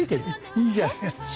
いいじゃないか。